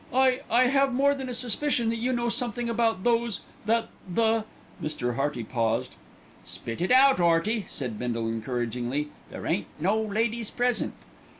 "I I have more than a suspicion that you know something about those that the " Mr. Hearty paused. "Spit it out, 'Earty," said Bindle encouragingly. "There ain't no ladies present."